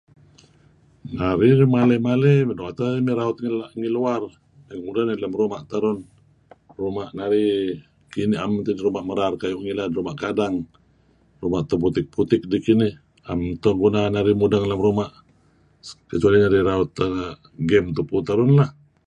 Uih maley-maley doo' teh narih mey raut ngi luar. ngudeh narih lem ruma' terun. Ruma' kinih na'em neto' ideh merar kayu' malem ruma' kadang, ruma' putik-putok deh kinih am mento guna narih mudeng lem ruma' kecuali narih raut game tupu lah.